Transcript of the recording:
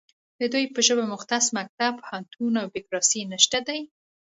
د دوی په ژبه مختص مکتب، پوهنتون او بیرکراسي نشته دی